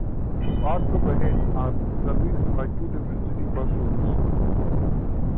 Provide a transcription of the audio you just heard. Parts of Raheen are serviced by two different city bus routes.